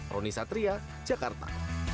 roni satria jakarta